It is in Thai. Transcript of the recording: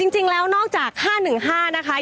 จริงแล้วนอกจาก๕๑๕นะคะ